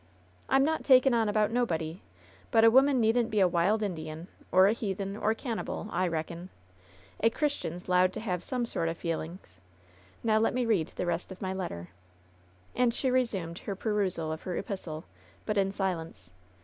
"I'm not taken on about nobody. But a woman needn't be a wild Indian, or a heathen, or cannibal, I reckon. A Christian's 'lowed to have some sort o' feel in's. Now let me read the rest of my letter." And she resumed the perusal of her epistle, but in silence.